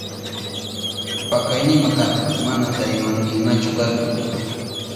Pakaynima karka, mana tariwankimachu karka.